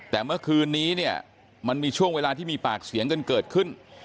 แต่เมื่อคืนนี้เนี่ยมันมีช่วงเวลาที่มีปากเสียงกันเกิดขึ้น